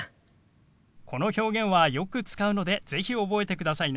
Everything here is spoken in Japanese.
この表現はよく使うので是非覚えてくださいね。